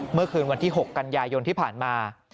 เมื่อคืนวันที่๖กันยายนที่ผ่านมา